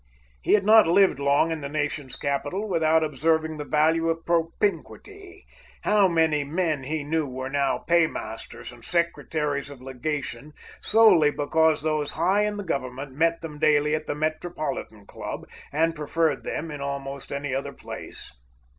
He had not lived long in the nation's capital without observing the value of propinquity. How many men he knew were now paymasters, and secretaries of legation, solely because those high in the government met them daily at the Metropolitan Club, and preferred them in almost any other place.